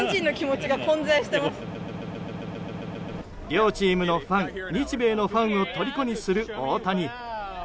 両チームのファン日米のファンをとりこにする大谷。